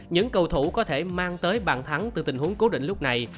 những cầu thủ có thể mang tới bàn thắng từ tình huống cố định lúc này